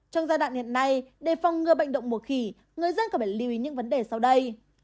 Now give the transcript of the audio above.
trong giai đoạn hiện nay để phòng ngừa bệnh động mùa khỉ người dân cần phải lưu ý những vấn đề sau đây